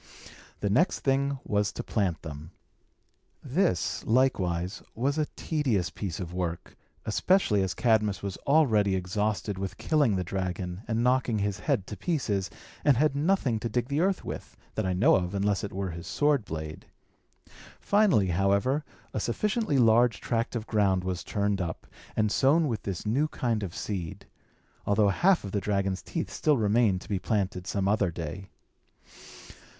The next thing was to plant them. This, likewise, was a tedious piece of work, especially as Cadmus was already exhausted with killing the dragon and knocking his head to pieces, and had nothing to dig the earth with, that I know of, unless it were his sword blade. Finally, however, a sufficiently large tract of ground was turned up, and sown with this new kind of seed; although half of the dragon's teeth still remained to be planted some other day.